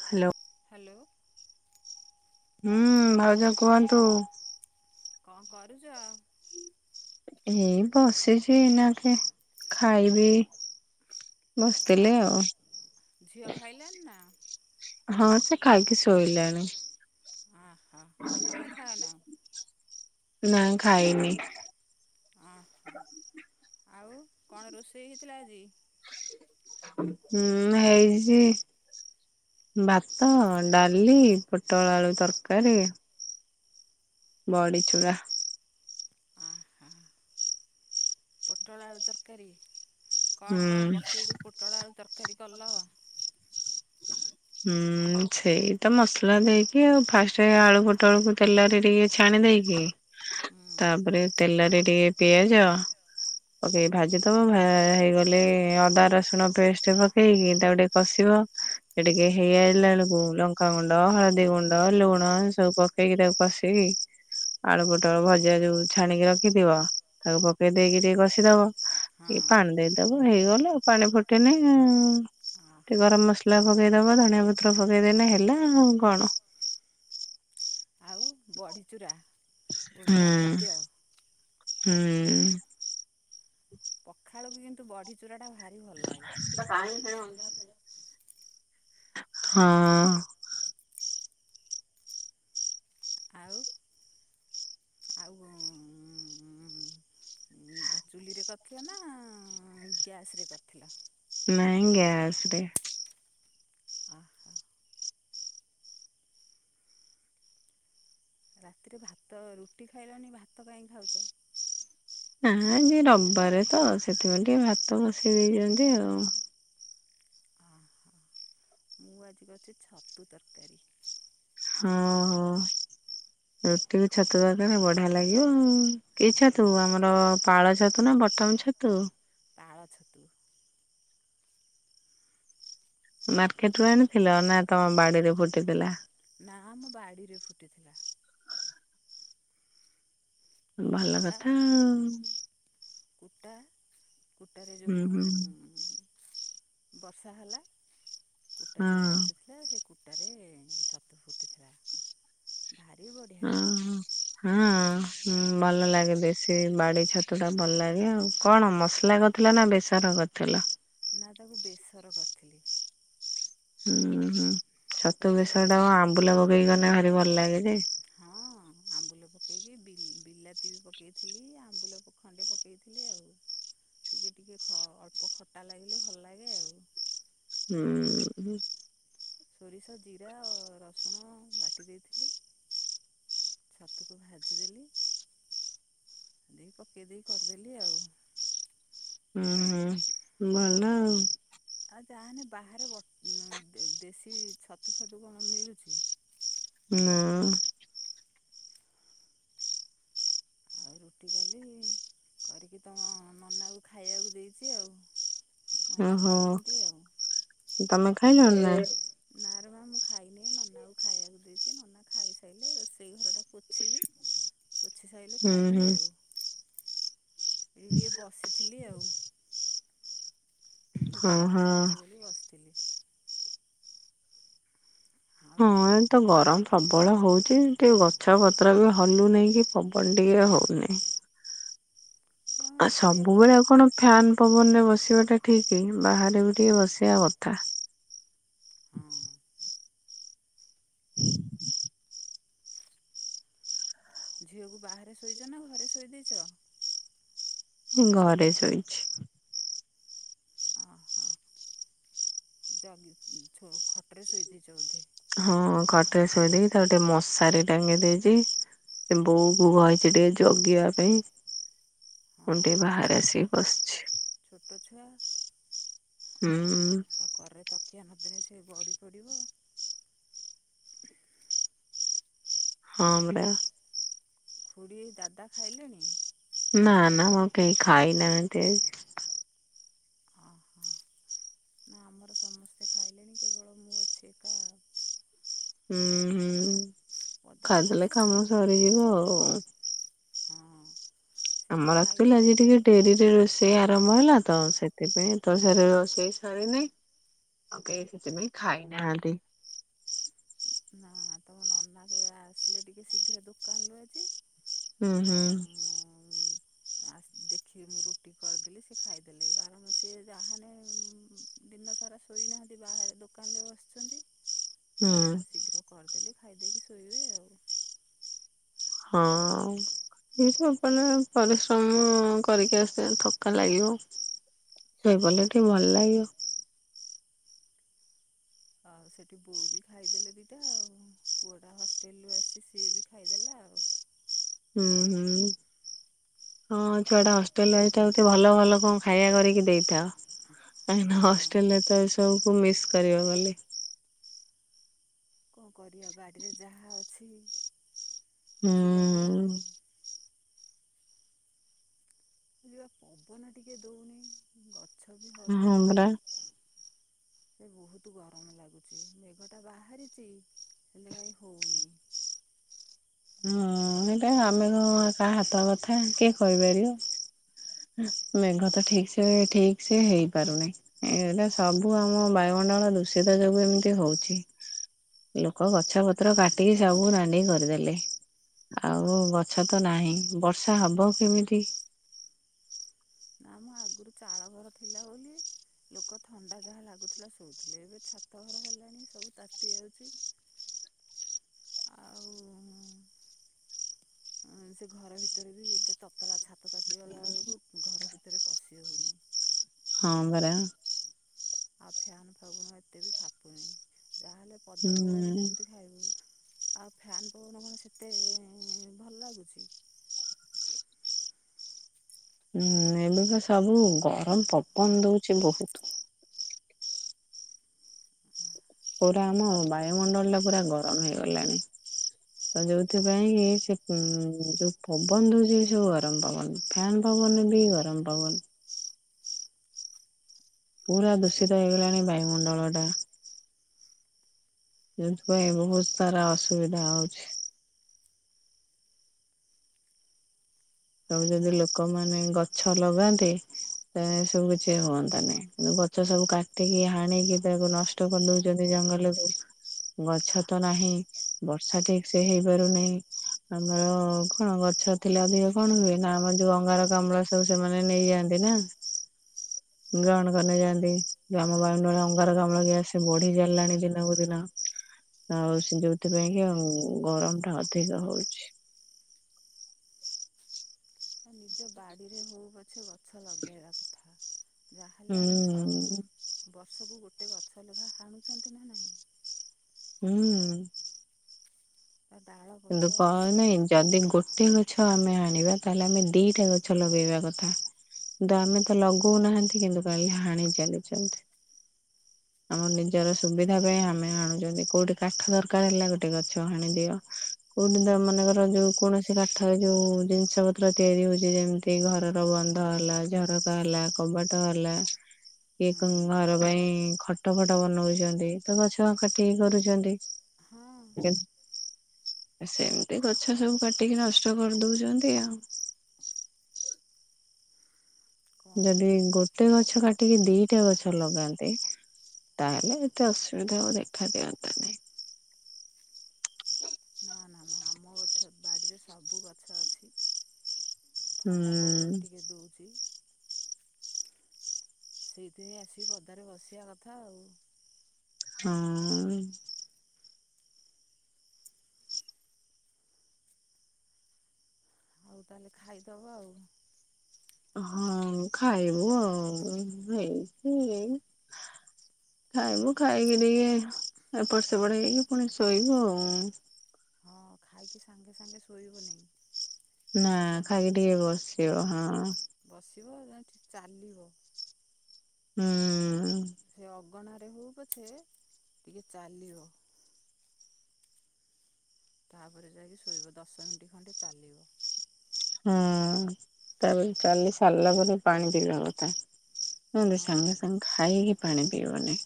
Hello. Hello. ହୁଁ ଭାଉଜ କୁହନ୍ତୁ। କଣ କରୁଚ? ହେ ବସିଚି ଏଇନାକେ ଖାଇବି। ବସିଥିଲି ଆଉ। ହଁ ସେ ଖାଇକି ଶୋଇଲାଣି। ଅ ହ। ତମେ ଖାଇନ? ନାଇ ଖାଇନି। ଅ ହ। ଆଉ କଣ ରୋଷେଇ ହେଇଥିଲା ଆଜି? ହୁଁ ହେଇଚି ଭାତ, ଡାଲି, ପୋଟଳ ଆଳୁ ତରକାରୀ। ବଡିଚୁରା। ଅ ହ। ପୋଟଳ ଆଳୁ ତରକାରୀ। କଣ କଣ ପକେଇକି ପୋଟଳ ଆଳୁ ତରକାରୀ କଲ? ହୁଁ ସେଇ ତ ମସଲା ଦେଇକି ଆଉ ଫାଷ୍ଟ ଆଳୁ ପୋଟଳକୁ ତେଲରେ ଟିକେ ଛାଣି ଦେଇକି ତାପରେ ତେଲରେ ଟିକେ ପିଆଜ ପକେଇକି ଭାଜିଦବ ଭା ହେଇଗଲେ ଅଦା ରସୁଣ ପେଷ୍ଟ ପକେଇକି ତାକୁ ଟିକେ କସିବ। ସିଏ ଟିକେ ହେଇ ଆଇଲା ବେଳକୁ ଲଙ୍କାାଗୁଣ୍ଡ ହଳଦୀ ଗୁଣ୍ଡ ଲୁଣ ଏ ସବୁ ପକେଇକି ତାକୁ କଶିକି ଆଳୁ ପୋଟଳ ଭଜା ଯୋଉ ଛାଣିକି ରଖିଥିବ ତାକୁ ପକେଇ ଦେଇକି ଟିକେ କଷିଦବ। ଟିକେ ପାଣି ଦେଇଦବ ହେଇଗଲେ ପାଣି ଫୁଟିନେ ଟିକେ ଗରମ ମସଲା ପକେଇଦବ ଧଣିଆ ପତ୍ର ପକେଇଦେଲେ ହେଲା ଆଉ କଣ। ଆ ବଢ଼ିଚୁରା ଓଡ଼ିଆ ଖାଦ୍ୟ। ହୁଁ। [inaudible] ପଖାଳୁକୁ କିନ୍ତୁ ବଢି ଚୁରାଟା ଭାରି ଭଲ ଲାଗେ। ସେଟା ପାଣି କାଇ ହୋଉଚୁ। ହଁ। ଆଉ। ଆଉ ମ ମ ଉ ଚୁଲିରେ କରିଥିଲା ନା ଗ୍ୟାସରେ କରିଥିଲ। ନାଇଁ ଗ୍ୟାସରେ। ଓହୋ। ରାତିରେ ଭାତ ରୁଟି ଖାଇଲନି ଭାତ କାହିଁ ଖାଉଛ। ନା ଆଜି ରବିବାରେ ତ ସେଥିପାଇଁ ଟିକେ ଭାତ ବସେଇ ଦେଇଛନ୍ତି ଆଉ। ଓହୋ ମୁଁ ଆଜି କରିଚି ଛତୁ ତରକାରୀ। ହଁ ହୋ ରୁଟି କି ଛତୁ ତରକାରୀ ବଢିଆ ଲାଗିବ ଆଉ। କି ଛତୁ ଆମର ପାଳ ଛତୁ ନା ବଟମ୍ ଛତୁ। ପାଳ ଛତୁ। ମାର୍କେଟ ରୁ ଆଣିଥିଲ ନା ତମ ବାଡିରେ ଫୁଟିଥିଲା। ନା ଆମ ବାଡ଼ିରେ ଫୁଟିଥିଲା। କୁଟା କୁଟା। କୁଟାରେ ଯୋଉଁ ବର୍ଷା ହେଲା। କୁଟା ଟିକେ ପଚିଥିଲା ସେ କୁଟାରେ ଛତୁ ଫୁଟିଥିଲା ଭାରି ବଢିଆ। ଓହୋ। ହଁ ଭଲ ଲାଗେ ଦେଶୀ ବାଡି ଛତୁ ଟା ଭଲ ଲାଗେ ଆଉ କଣ ମସଲା କ ମସଲା କରିଥିଲ ନା ବେସର କରିଥିଲ। ନା ତାକୁ ବେସର କରିଥିଲି। ହୁଁ ହୁଁ ଛତୁ ବେଶର ଟାକୁ ଆମ୍ବୁଲ ପକେଇକି କଲେ ଭାରି ଭଲ ଲାଗେ ଯେ। ହଁ ଆମ୍ବୁଲ ପକେଇକି ବି ବିଲାତି ବି ପକେଇଥିଲି ଆମ୍ବୁଲ ଖଣ୍ଡେ ପକେଇଥିଲି ଆଉ ଟିକେ ଟିକେ ଖ ଅଳ୍ପ ଖଟା ଲାଗିଲେ ଭଲ ଲାଗେ ଆଉ। ହୁଁ। ସୋରିଷ ଜିରା ରସୁଣ ବାଟି ଦେଇଥିଲି। ଛତୁକୁ ଭାଜିଦେଲି। ଦେଇ ପକେଇ ଦେଇ କରିଦେଲି ଆଉ। ହୁଁ ହୁଁ ଭଲ ଆଉ। ଆଉ ଯାହାଲେ ବାହାରେ ଦେଶୀ ଛତୁ ଫତୁ କଣ ମିଳୁଛି? ନାଁ। ଆଉ ରୁଟି କଲି କରିକି ତମ ନନାକୁ ଖାଇବାକୁ ଦେଇଛି ଆଉ। ଓହୋ ତମେ ଖାଇଲନି ନା। ନା ରେ ମା ମୁଁ ଖାଇନି ନନାକୁ ଖାଇବାକୁ ଦେଇଛି ନନା ଖାଇସାରିଲେ ରୋଷେଇ ଘରଟା ପୋଛିବି। ପୋଛିସାରିଲେ ଖାଇବି ଆଉ ଏ ଟିକେ ବସିଥିଲି ଆଉ। ଗରମ ଲାଗୁଛି ବୋଲି ବସିଥିଲି। ଆଉ। ତ ଗରମ ପ୍ରବଳ ହଉଛି ଟିକେ ଗଛ ପତ୍ର ବି ହଲୁନାହିଁ କି ପବନ ଟିକେ ହଉନେଇଁ। ଆଉ ସବୁବେଳେ ଆଉ କଣ ଫ୍ୟାନ ପବନରେ ବସିବାଟା ଠିକ କି ବାହାରେ ବି ଟିକେ ବସିବା କଥା। ହଁ। [inaudible] ଝିଅକୁ ବାହାରେ ଶୋଇଛ ନା ଘରେ ଶୋଇ ଦେଇଛ? ଘରେ ଶୋଇଛି। ଅହ ଜଗି ଖଟରେ ଶୋଇ ଦେଇଛ ବୋଧେ। ହଁ ଖଟରେ ଶୋଇଦେଇ ତାକୁ ଟିକେ ମଶାରୀ ଟାଙ୍ଗି ଦେଇଛି। ବୋଉକୁ କହିଛି ଟିକେ ଜଗିବା ପାଇଁ। ହଁ ମୋ ଛୋଟ ଛୁଆ। ହୁଁ। ତା କରରେ ତକିଆ ନଦେଲେ ସେ ଗଡ଼ି ପଡ଼ିବ। ହଁ ପରା। ଖୁଡି ଦାଦା ଖାଇଲେଣି? ନା ନା କେହି ଖାଇ ନାହାନ୍ତି। ଓହଁ ନା ଆମର ସମସ୍ତେ ଖାଇଲେଣି କେବଳ ମୁଁ ଅଛି ଏକା। ହୁଁ ହୁଁ ଖାଇଦେଲେ କାମ ସରିଯିବ ଆଉ। ହଁ। ଆମର ଆକଚୁଆଲି ଆଜି ଟିକେ ଡେରିରେ ରୋଷେଇ ଆରମ୍ଭ ହେଲା ତ ସେଥିପାଇଁ ଏତଳ ସାରି ରୋଷେଇ ସରିନି। ଆଉ କେହି ସେଥି ପାଇଁ ଖାଇନାହାନ୍ତି। ନା ତମ ନନା କେବେ ଆସିଲେ ଟିକେ ଶୀଘ୍ର ଦୋକାନରୁୁ ଆଜି। ହୁଁ ହୁଁ। ତାସ୍ ଦେଖି ମୁଁ ରୁଟି କରିଥିଲି ସେ ଖାଇଦେଲେ କାରଣ ସେ ଯାହେନେ ଦିନସାରା ଶୋଇନାହାନ୍ତି ବାହାରେ ଦୋକାନରେ ବସଛନ୍ତି। ଆ ଶୀଘ୍ର କରିଦେଲି ଖାଇଦେଇକି ଶୋଇବେ ଆଉ। ହଁ। [unintelligible] ପରିଶ୍ରମ କରିକି ଆସିବେ ଥକା ଲାଗିବ। ଶୋଇପଇଲେ ଟିକେ ଭଲ ଲାଗିବ। ଆଉ ସେଠି ବୋଉ ବି ଖାଇଦେଲେ ଦିଟା, ଆଉ ପୁଅଟା ହଷ୍ଟେଲରୁୁ ଆସି ସିଏ ବି ଖାଇଦେଲା ଆଉ। ହୁଁ ହୁଁ। ହଁ ଛୁଆ ଟା ହଷ୍ଟେଲରୁ ଆସିଚି ତାକୁ ଭଲ ଭଲ କଣ ଖାଇବା କରିକି ଦେଇଥାଅ। କାହିଙ୍କି ନା ହଷ୍ଟେଲରେ ତ ଏ ସବୁ ମିସ୍ କରିବ ଗଲେ। କଣ କରିବା ବାଡ଼ିରେ ଯାହା ଅଛି କିଛି କରିବା ଆଉ। ଆଯିବା ପବନ ଟିକେ ଦଉନେଇ, ଗଛ ବି ହଲୁନେଇଁ। ସେ ବହୁତ ଗରମ ଲାଗୁଛି, ମେଘଟା ବାହାରିଛି ହେଲେ କାହିଁ ହଉନେଇ। ହଁ ଏଇଟା ଆମେ କାହା ହାତ କଥା କିଏ କହିପାରିବ। ଆ ମେଘ ତ ଠିକ୍ ସେ, ଠିକ୍ ସେ ହେଇ ପାରୁନାହିଁ। ଏଗୁଡା ସବୁ ଆମ ବାୟୁମଣ୍ଡଳ ଦୂଷିତ ଯୋଗୁଁ ଏମିତି ହଉଚି। ଲୋକ ଗଛ ପତ୍ର କାଟିକି ସବୁ ନାଣ୍ଡି କରିଦେଲେ। ଆଉ ଗଛ ତ ନାହିଁ ବର୍ଷା ହବ କେମିତି? ନା ମ ଆଗରୁ ଚାଳ ଘର ଥିଲା ବୋଲି ଲୋକ ଥଣ୍ଡା ଯାହା ଲାଗୁଥିଲା ଶୋଉଥିଲେ, ଏବେ ଛାତଘର ହେଲାଣି ସବୁ ତାତି ଯାଉଛି। ଆଉ ଆଁ ସେ ଘର ଭିତରେ ବି ଏତେ ତତଲା ଛାତ ତାତିଗଲା ବେଳକୁ ଘର ଭିତରେ ପଶି ହୋଉନି। ହଁ ପରା। ଆଉ ଫ୍ୟାନ ଫାଗୁନ ଏତେ ବି ଖାପୁନୀ ଯାହାହେଲେ ପଦାକୁ ଯେମିତି ଖାଇବୁ, ଆଉ ଫ୍ୟାନ୍ ପବନ କଣ ସେତେ ଭଲ ଲାଗୁଛି। ହୁଁ ଏବେତ ସବୁ ଗରମ ପବନ ଦଉଛି ବହୁତ୍। ପୁରା ଆମ ବାୟୁମଣ୍ଡଳ ରା ପୁରା ଗରମ ହେଇଗଲାଣି। ତଯୋଉଥିପାଇଁ ସେ ଉ ଯୋଉ ପବନ ଦୋଉଚି ସବୁ ଗରମ ପବନ ଦ ଫ୍ୟାନ୍ ପବନବି ଗରମ ପବନ। ପୁରା ଦୂଷିତ ହେଇଗଲାଣି ବାୟୁମଣ୍ଡଳଟା। ଯୋଉଥିପାଇଁ ବହୁତ୍ ସାରା ଅସୁବିଧା ହଉଛି। ସବୁ ଯଦି ଲୋକମାନେ ଗଛ ଲଗାନ୍ତେ ତଏସବୁ କିଛି ହୁଅନ୍ତା ନାଇଁ କିନ୍ତୁ ଗଛ ସବୁ କାଟିକି ହାଣିକି ତାକୁ ନଷ୍ ନଷ୍ଟ କରି ଦଉଚନ୍ତି ଜଙ୍ଗଲକୁ। ଗଛତ ନାହିଁ ବର୍ଷା ଠିକ୍ ସେ ହେଇପାରୁନାହିଁ ଆମର କଣ ଗଛ ଥିଲେ ଅଧିକ କଣ ହୁଏ ନା ଆମର ଯୋଉ ଅଙ୍ଗାର କାମ୍ଳ ସବୁ ସେମାନେ ନେଇଯାଆନ୍ତିନା। ଗ୍ରହଣ କରିନେଇ ଯାଆନ୍ତି ଯୋଉ ଆମ ବାୟୁମଣ୍ଡଳ ଅଙ୍ଗାର କାମ୍ଳ ଗ୍ୟାସ୍ ବଢ଼ି ଚାଲିଲାଣି ଦିନକୁ ଦିନ। ଆଉସେ ଯୋଉଥିପାଇଁକି ଗରମଟା ଅଧିକ ହଉଚି। ନିଜ ବାଡ଼ିରେ ହଉ ପଛେ ଗଛ ଲଗେଇବା କଥା। ଯାହାହେଲେ ଆମେ ସ-ବର୍ଷକୁ ଗୋଟେ ଗଛ ଲେଖା ଆଣୁଛନ୍ତିନା ନାହିଁ? ହୁଁ। ତା ଡାଳ କିନ୍ତୁ କହନେଇ ଯଦି ଗୋଟେ ଗଛ ଆମେ ଆଣିବା ତାହେଲେ ଆମେ ଦିଟା ଗଛ ଲଗେଇବା କଥା। କିନ୍ତୁ ଆମେତ ଲଗଉନାହାନ୍ତି କିନ୍ତୁ ଖାଲି ହାଣି ଚାଲିଚନ୍ତି। [inaudible] ଆମ ନିଜର ସୁବିଧା ପାଇଁ ଆମେ ହାଣୁଛନ୍ତି କୋଉଠି କାଠ ଦରକାର ହେଲା ଗୋଟେ ଗଛ ହାଣିଦିଅ। କୋଉଠିତ ମନେଙ୍କର ଯୋଉ କୌଣସି କାଠ ଯୋଉ ଜିନିଷ ପତ୍ର ତିଆରି ହଉଚି ଯେମିତି ଏଇ ଘରର ବନ୍ଧ ହେଲା ଝରକା ହେଲା କବାଟ ହେଲା ଏକ୍ନଙ୍ଗ ଘର ପାଇଁ ଖଟ ଫଟ ବନଉଛନ୍ତି ତ ଗଛ କାଟିିକି କରୁଚନ୍ତି। ହଁ। ସେମିତି ଗଛ ସବୁ କାଟିକି ନଷ୍ଟ କରିଦଉଚନ୍ତି ଆଉ। ଯଦି ଗୋଟେ ଗଛ କାଟିକି ଦିଟା ଗଛ ଲଗାନ୍ତେ ତାହେଲେ ଏତେ ଅସୁବିଧା ଆଉ ଦେଖା ଦିଅନ୍ତା ନାହିଁ। ନାଁ ନାମ ଆମ ସବୁ ଗୋଛ ବାଡ଼ିରେ ସବୁ ଗଛ ଅଛି ଥଣ୍ଡା ପବନ ଟିକେ ଦୋଉଛି। ସେଇଥିପାଇଁ ଆସିିକି ପଦାରେ ବସିବା କଥା ଆଉ। ହଁଅଁ। ଆଉ ତାହେଲେ ଖାଇଦବ ଆଉ। ହଁ ଖାଇବୁ ଆଉ ହେଇଚି ଏଇ ଖାଇବୁ ଖାଇକିରି ଏପଟ ସେପଟ ହେଇକି ପୁଣି ଶୋଇବୁ ଆଉ। ହଁ ଖାଇକି ସାଙ୍ଗେ ସାଙ୍ଗେ ଶୋଇବନି? ନା ଖାଇକି ଟିକେ ବସିବ ହଁ। ବସିବ ଯାହାହେନେ ଟିକେ ଚାଲିବ। ହୁଁ। ହୁଁ। ସେ ଅଗଣାରେ ହଉ ପଛେ ଟିକେ ଚାଲିବ। ତାପରେ ଯାଇକି ଶୋଇବ ଦଶ ମିନିଟ୍ ଖଣ୍ଡେ ଚାଲିବ? ହୁଁ ତାପରେ ଚାଲି ସାରଲା ପରେ ପାଣି ପିଇବା କଥା। ନହେଲେ ସାଙ୍ଗେ ସାଙ୍ଗେ ଖାଇକି ପାଣି ପିଇବନି।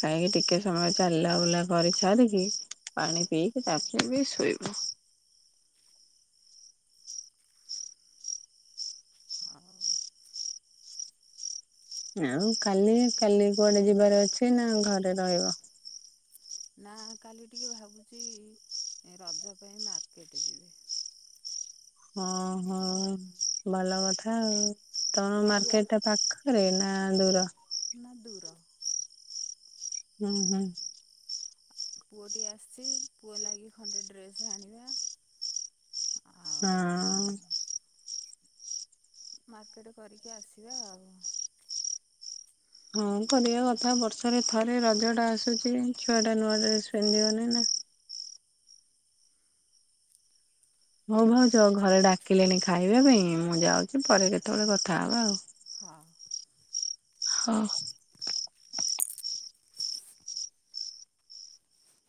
ଖାଇକି ଟିକେ ସମୟ ଚାଲିଲା ବୁଲା କରିସାରିକି ପାଣି ପିଇକି ତାପରେବି ଶୋଇବ। ହଁ। ଆଉଁ କାଲି କାଲି କୁଆଡ଼େ ଯିବାର ଅଛିନା ଘରେ ରହିବ? ନା କାଲି ଟିକିଏ ଭାବୁଚି ଏଁ ରଜ ପାଇଁ ମାର୍କେଟ ଯିବି। ହଁ ହଁ ଭଲ କଥା ଆଉ ତମ ମାର୍କେଟା ପାଖ ରେ ନା ଦୂର? ନା ଦୂର। ହୁଁ ହୁଁ। ପୁଅଟି ଆସିଚି ପୁଅ ଲାଗି ଖଣ୍ଡେ ଡ୍ରେସ୍ ଆଣିବା। ଆଉ ମାର୍କେଟ କରିକି ଆସିବା ଆଉ। ହଁ କରିଆ କଥା ବର୍ଷରେ ଥରେ ରଜ ଟା ଆସୁଚି ଛୁଆ ଟା ନୂଆ ଡ୍ରେସ ପିନ୍ଧିବନି ନା। ହଉ ଭାଉଜ ଘରେ ଡାକିଲେଣି ଖାଇବା ପାଇଁ ମୁଁ ଯାଉଚି ପରେ କେତେବେଳେ କଥାହବା ଆଉ। ହଁ। ହଁଅଁ।